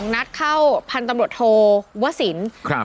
๒นัดเข้าพันตำรวจโทวศิลป์